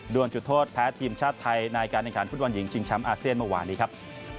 ด้วยจุดโทษแพ้ทีมชาติไทยนายการแข่งขันฟุตวรรณหญิงจิงชำอาเซียนเมื่อวานดีครับ